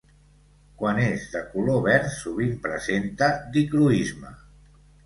Quan és de color verd sovint presenta dicroisme.